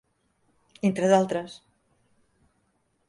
entre d'altres.